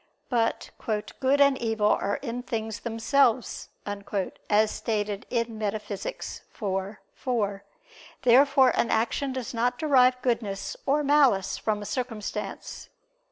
But "good and evil are in things themselves," as is stated in Metaph. vi, 4. Therefore an action does not derive goodness or malice from a circumstance.